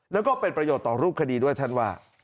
แล้วก็เป็นประโยชน์ต่อรูปคดีด้วยท่านว่า